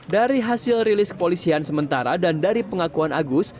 dari hasil rilis kepolisian sementara dan dari pengakuan agus